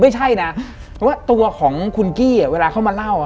ไม่ใช่นะเพราะว่าตัวของคุณกี้เวลาเข้ามาเล่า